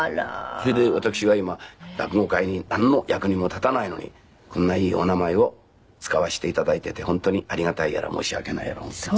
それで私は今落語界になんの役にも立たないのにこんないいお名前を使わせて頂いていて本当にありがたいやら申し訳ないやら思っています。